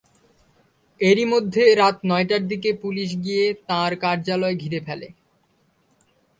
এরই মধ্যে রাত নয়টার দিকে পুলিশ গিয়ে তাঁর কার্যালয় ঘিরে ফেলে।